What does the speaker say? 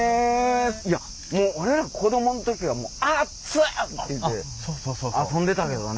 いやもう俺ら子どもん時はもう「あっつい！」っていうて遊んでたけどね。